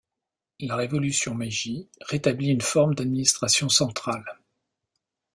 La révolution Meiji rétablit une forme d'administration centrale.